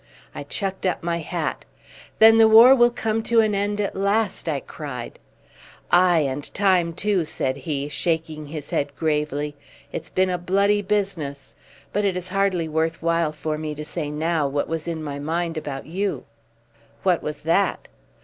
I chucked up my hat. "Then the war will come to an end at last," I cried. "Aye, and time too," said he, shaking his head gravely. "It's been a bloody business. But it is hardly worth while for me to say now what was in my mind about you." "What was that?"